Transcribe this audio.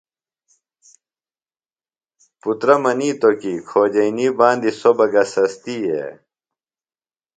پُترہ منِیتوۡ کی کھوجئینی باندی سوۡ بہ گہ سستیئے؟